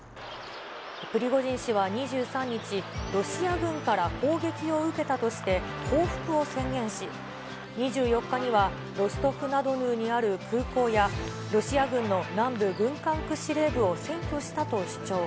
プリゴジン氏は２３日、ロシア軍から攻撃を受けたとして、報復を宣言し、２４日にはロストフナドヌーにある空港や、ロシア軍の南部軍管区司令部を占拠したと主張。